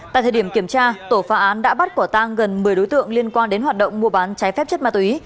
tại thời điểm kiểm tra tổ phá án đã bắt quả tang gần một mươi đối tượng liên quan đến hoạt động mua bán trái phép chất ma túy